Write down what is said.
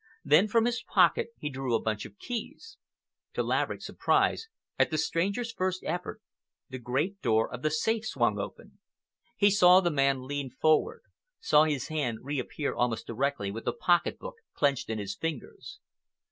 Then from his pocket he drew a bunch of keys. To Laverick's surprise, at the stranger's first effort the great door of the safe swung open. He saw the man lean forward, saw his hand reappear almost directly with the pocket book clenched in his fingers.